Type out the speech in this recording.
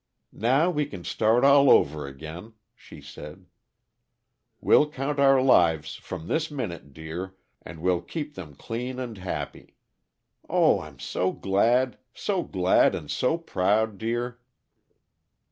"Now we can start all over again," she said. "We'll count our lives from this minute, dear, and we'll keep them clean and happy. Oh, I'm so glad! So glad and so proud, dear!"